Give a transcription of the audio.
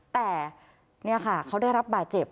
แต่นี่ค่ะเขาได้รับบาดเจ็บ